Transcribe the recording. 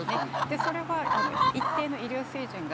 それは一定の医療水準が